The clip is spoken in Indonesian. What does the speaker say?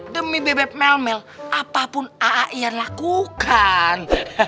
demi bebek melmel apapun aaian lakukan